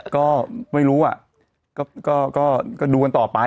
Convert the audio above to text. ก็ไม่รู้อ่ะก็ดูกันต่อไป